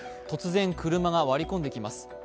突然、車が割り込んできます。